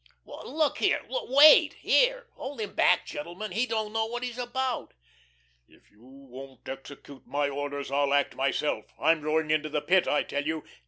"_ "Look here wait here. Hold him back, gentlemen. He don't know what he's about." "If you won't execute my orders, I'll act myself. I'm going into the Pit, I tell you."